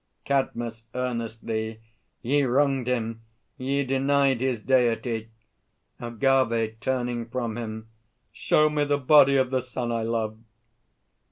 CADMUS (earnestly). Ye wronged Him! Ye denied his deity! AGAVE (turning from him). Show me the body of the son I love!